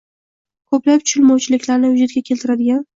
ko‘plab tushunmovchiliklarni vujudga keltiradigan